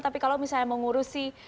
tapi kalau misalnya mengurusi